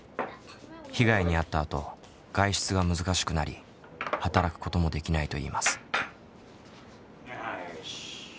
被害に遭ったあと外出が難しくなり働くこともできないといいます。